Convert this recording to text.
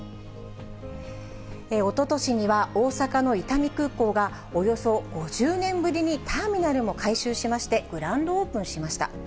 おととしには、大阪の伊丹空港が、およそ５０年ぶりにターミナルも改修しまして、グランドオープンしました。